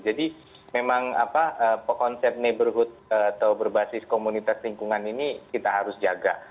jadi memang konsep neighborhood atau berbasis komunitas lingkungan ini kita harus jaga